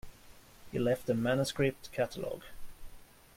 He left a manuscript catalogue.